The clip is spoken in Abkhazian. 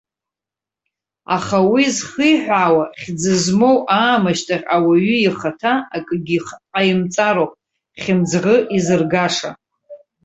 Аха уи зхиҳәаауа, хьӡы змоу аамышьҭахь, ауаҩы ихаҭа акгьы ҟаимҵароуп хьымӡӷы изыргаша.